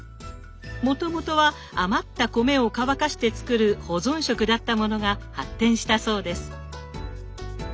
もともとは余った米を乾かして作る保存食だったものが発展したそうです。